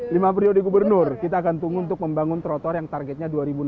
lima priode gubernur kita akan tunggu untuk membangun trotoar yang targetnya dua enam ratus